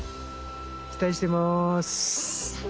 期待してます。